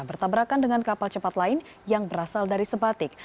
bertabrakan dengan kapal cepat lain yang berasal dari sebatik